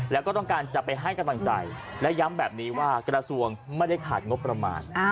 แล้วก็ต้องการจะไปให้กำลังใจและย้ำแบบนี้ว่ากระทรวงไม่ได้ขาดงบประมาณ